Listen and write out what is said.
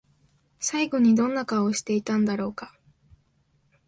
最後にどんな顔をしていたんだろうか？